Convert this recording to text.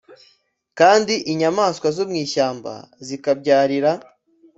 Kandi inyamaswa zo mu ishyamba zikabyarira